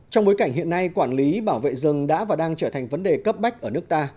trong bối cảnh hiện nay quản lý bảo vệ rừng đã và đang trở thành vấn đề cấp bách ở nước ta